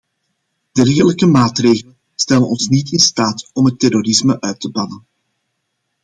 Dergelijke maatregelen stellen ons niet in staat om het terrorisme uit te bannen.